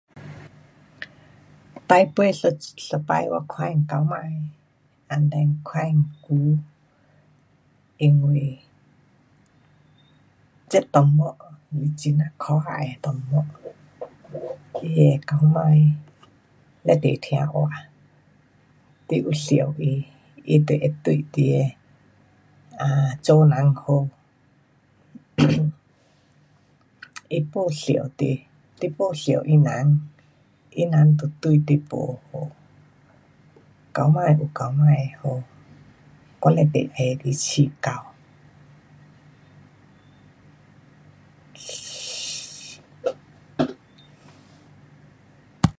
最后一，一次我看见狗霾，and then 看见鱼。因为这动物很呀可爱的动物，那狗霾非常听话。你有疼它，它就会对你的[um]主人好。 它没疼你，你没疼它人，它人就对你不好。狗霾有狗霾的好，我非常喜欢去养狗。